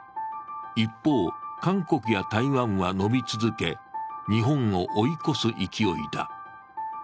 一方、韓国や台湾は伸び続け日本を追い越す勢いだ。